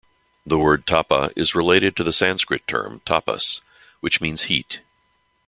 The word tapa is related to the Sanskrit term "tapas" which means "heat".